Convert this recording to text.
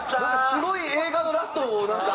すごい映画のラストをなんか。